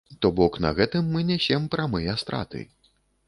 То бок на гэтым мы нясем прамыя страты.